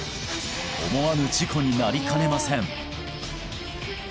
思わぬ事故になりかねません